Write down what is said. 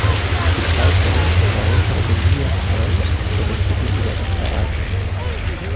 Die Zeitungen, darunter "The New York Times", berichteten über das Ereignis.